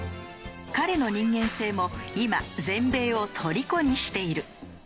彼の人間性も今全米をとりこにしている。